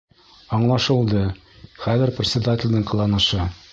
Аңлашылды хәҙер председателдең ҡыланышы.